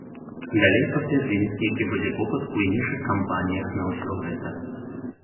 А далей паглядзім, які будзе попыт у іншых кампаніях на ўсё гэта.